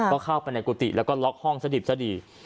ก็เข้าไปในกุฏิแล้วก็ล็อกห้องสดิบซะดี